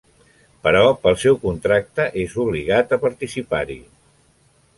Però, pel seu contracte, és obligat a participar-hi.